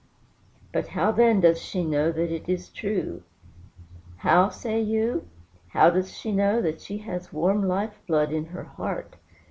But how, then, does she know that it is true? How, say you? How does she know that she has warm life blood in her heart?